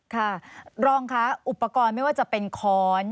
ค่ะรองค่ะอุปกรณ์ไม่ว่าจะเป็นค้อน